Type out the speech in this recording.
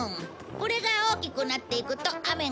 これが大きくなっていくと雨が降る。